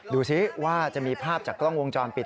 ดูสิว่าจะมีภาพจากกล้องวงจรปิด